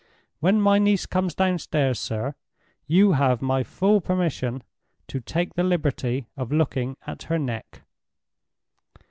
When my niece comes downstairs, sir, you have my full permission to take the liberty of looking at her neck."